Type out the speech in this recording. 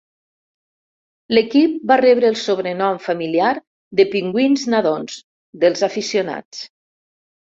L'equip va rebre el sobrenom familiar de "Pingüins nadons" dels aficionats.